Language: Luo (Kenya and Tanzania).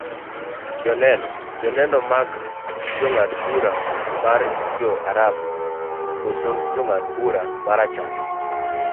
joneno, joneno mag jang'ad bura mar joarabu kose jang'ad bura marachar